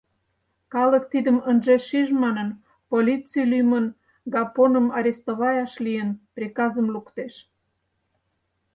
Калык тидым ынже шиж манын, полиций лӱмын Гапоным арестоваяш лийын, приказым луктеш.